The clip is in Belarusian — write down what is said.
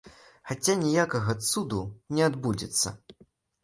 Хаця ніякага цуду не адбудзецца.